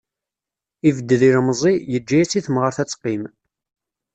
Yebded yilemẓi, yeǧǧa-as i temɣart ad teqqim